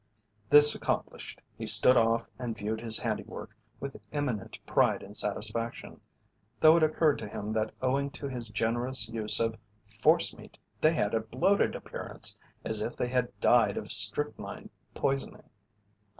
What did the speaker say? This accomplished, he stood off and viewed his handiwork with eminent pride and satisfaction, though it occurred to him that owing to his generous use of "forcemeat" they had a bloated appearance, as if they had died of strychnine poisoning.